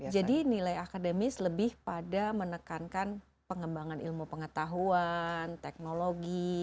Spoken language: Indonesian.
jadi nilai akademis lebih pada menekankan pengembangan ilmu pengetahuan teknologi